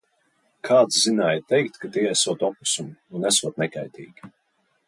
Kāds zināja teikt, ka tie esot oposumi un esot nekaitīgi.